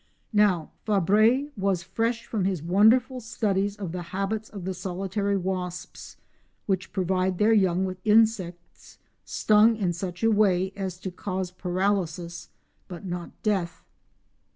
Now Fabre was fresh from his wonderful studies of the habits of the solitary wasps, which provide their young with insects stung in such a way as to cause paralysis but not death.